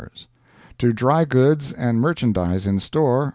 00 To dry goods and merchandise in store